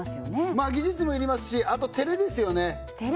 まあ技術も要りますしあとてれですよねてれ？